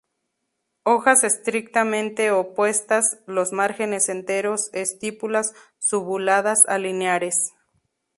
Hojas estrictamente opuestas, los márgenes enteros; estípulas subuladas a lineares.